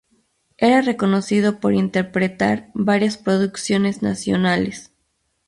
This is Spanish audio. Era reconocido por interpretar varias producciones nacionales.